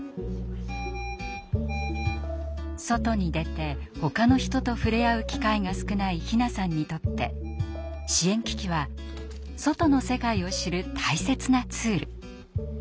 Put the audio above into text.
外に出てほかの人と触れ合う機会が少ない陽菜さんにとって支援機器は外の世界を知る大切なツール。